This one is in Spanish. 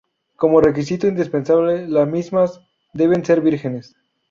Como requisito indispensable, las mismas deben ser vírgenes.